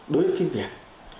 đối với phim việt